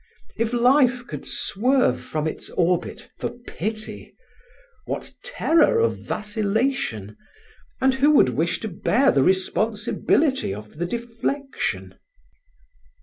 If Life could swerve from its orbit for pity, what terror of vacillation; and who would wish to bear the responsibility of the deflection?